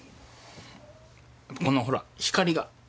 このほら光が。